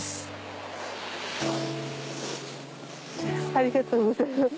ありがとうございます。